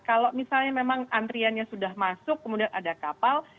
kalau misalnya memang antriannya sudah masuk kemudian ada kapal